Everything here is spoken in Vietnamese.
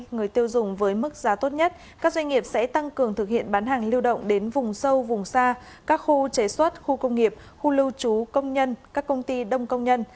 người tiêu dùng với mức giá tốt nhất các doanh nghiệp sẽ tăng cường thực hiện bán hàng lưu động đến vùng sâu vùng xa các khu chế xuất khu công nghiệp khu lưu trú công nhân các công ty đông công nhân